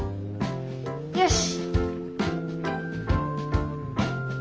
よし！